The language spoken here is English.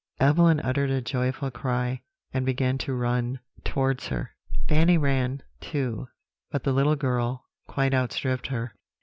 Evelyn uttered a joyful cry, and began to run towards her; Fanny ran, too, but the little girl quite outstripped her.